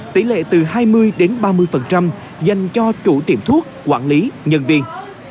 tỷ lệ từ hai mươi đến ba mươi dành cho chủ tiệm thuốc quản lý nhân viên